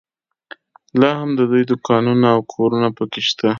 لا هم د دوی دوکانونه او کورونه په کې شته.